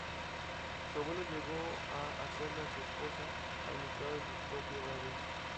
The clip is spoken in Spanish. Su abuelo llegó a hacerla su esposa y administradora de sus propiedades.